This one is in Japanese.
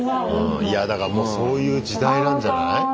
いやだからもうそういう時代なんじゃない？